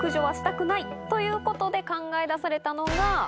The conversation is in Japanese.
ということで考え出されたのが。